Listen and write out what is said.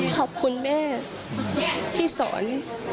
ขอบคุณแม่ที่สอน